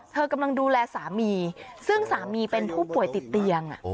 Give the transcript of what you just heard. กำลังดูแลสามีซึ่งสามีเป็นผู้ป่วยติดเตียง